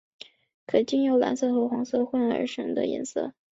可经由蓝色和黄色混和而成的颜色。